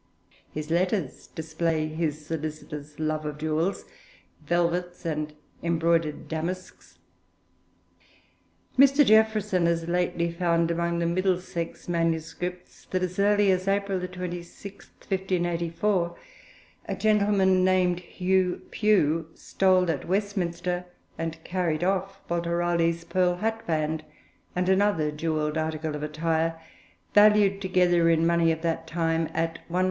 His letters display his solicitous love of jewels, velvets, and embroidered damasks. Mr. Jeaffreson has lately found among the Middlesex MSS. that as early as April 26, 1584, a gentleman named Hugh Pew stole at Westminster and carried off Walter Raleigh's pearl hat band and another jewelled article of attire, valued together in money of that time at 113_l.